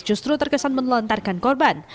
justru terkesan menelantarkan korban